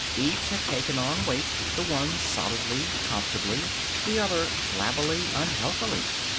Each had taken on weight, the one, solidly, comfortably; the other, flabbily, unhealthily.